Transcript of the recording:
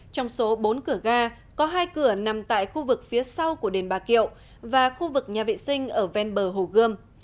trong số bốn cửa ga có hai cửa nằm tại khu vực phía sau của đền bà kiệu và khu vực nhà vệ sinh ở ven bờ hồ gươm